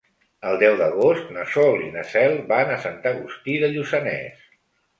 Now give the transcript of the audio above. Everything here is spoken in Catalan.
El deu d'agost na Sol i na Cel van a Sant Agustí de Lluçanès.